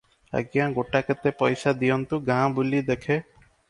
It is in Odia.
ଆଜ୍ଞା ଗୋଟାକେତେ ପଇସା ଦିଅନ୍ତୁ, ଗାଁ ବୁଲି ଦେଖେ ।